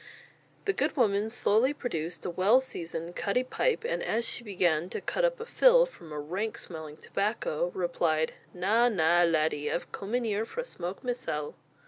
The good woman slowly produced a well seasoned "cutty" pipe, and as she began to cut up a "fill" from a rank smelling tobacco, replied: "Na, na, laddie, I've come in here for a smoke ma'sel."